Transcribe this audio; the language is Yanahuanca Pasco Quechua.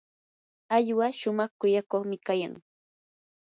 ayllua shumaq kuyakuqmi kayan.